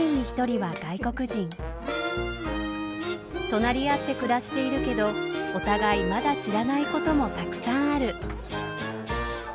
隣り合って暮らしているけどお互いまだ知らないこともたくさんある。